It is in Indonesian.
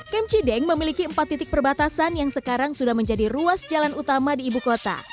kem cideng memiliki empat titik perbatasan yang sekarang sudah menjadi ruas jalan utama di ibu kota